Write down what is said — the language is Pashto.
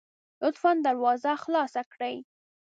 لطفا دروازه خلاصه کړئ